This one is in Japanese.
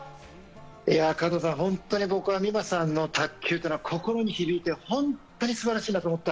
いや、加藤さん、本当に僕は美誠さんの卓球というのは心に響いて本当に素晴らしいなと思った。